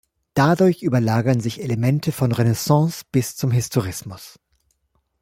Dadurch überlagern sich Elemente von Renaissance bis zum Historismus.